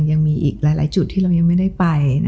ยังมีอีกหลายจุดที่เรายังไม่ได้ไป